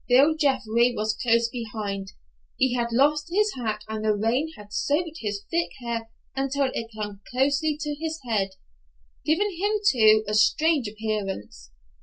Bill Jeffrey was close behind. He had lost his hat and the rain had soaked his thick hair until it clung closely to his head, giving him, too, a strange appearance.